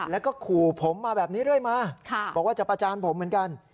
แล้วก็ขู่ผมมาแบบนี้เรื่อยมาบอกว่าจะประจานผมเหมือนกัน